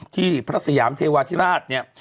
ที่พระสยามเทวาธิราชเนี่ย